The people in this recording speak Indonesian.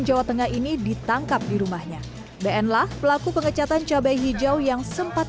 jawa tengah ini ditangkap di rumahnya bn lah pelaku pengecatan cabai hijau yang sempat